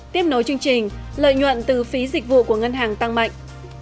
tiếp nối chương trình lợi nhuận từ phí dịch vụ của ngân hàng tăng mạnh